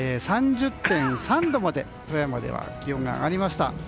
３０．３度まで富山では気温が上がりました。